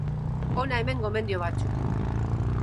Hona hemen gomendio batzuk.